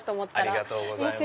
ありがとうございます。